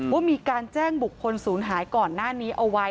ว่ามีการแจ้งบุคคลศูนย์หายก่อนหน้านี้เอาไว้